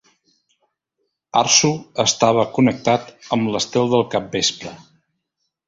Arsu estava connectat amb l'estel del capvespre.